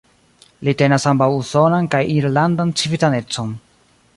Li tenas ambaŭ usonan kaj irlandan civitanecon.